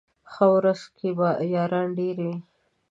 ښه ورځ کي ياران ډېر وي